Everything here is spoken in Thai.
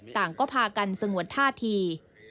ต่างก็พากันสงวนท่าที